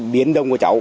biến đông của cháu